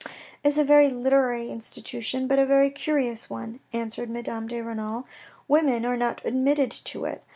" It's a very literary institution, but a very curious one," answered Madame de Renal. " Women are not admitted to it.